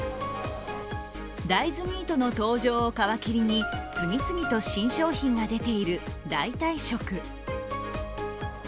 大豆ミートの登場を皮切りに次々と新商品が出ている代替食。